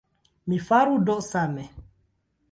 Mi faru do same!